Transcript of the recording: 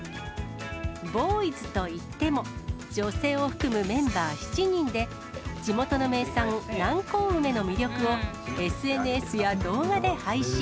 ボーイズといっても、女性を含むメンバー７人で、地元の名産、南高梅の魅力を、ＳＮＳや動画で配信。